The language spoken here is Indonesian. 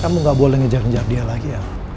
kamu nggak boleh ngejar ngejar dia lagi al